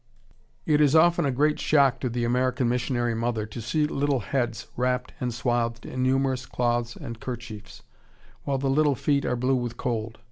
It is often a great shock to the American missionary mother to see little heads wrapped and swathed in numerous cloths and kerchiefs, while the little feet are blue with cold.